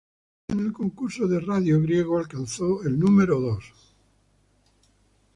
En el Airplay Chart griego, alcanzó el número dos.